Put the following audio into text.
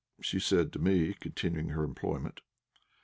she said to me, continuing her employment.